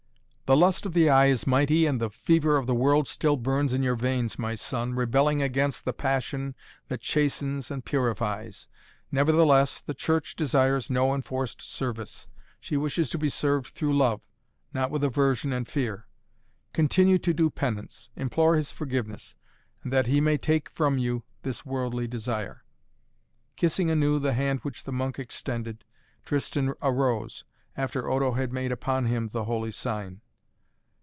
"The lust of the eye is mighty and the fever of the world still burns in your veins, my son, rebelling against the passion that chastens and purifies. Nevertheless, the Church desires no enforced service. She wishes to be served through love, not with aversion and fear. Continue to do penance, implore His forgiveness, and that He may take from you this worldly desire." Kissing anew the hand which the monk extended, Tristan arose, after Odo had made upon him the holy sign.